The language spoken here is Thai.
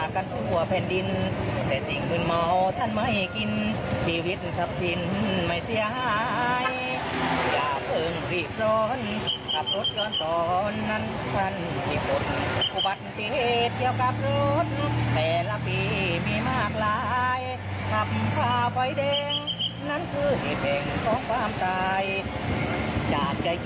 ขอไล้เซ็นไม่ใช่ว่าจะไม่ใส่นะ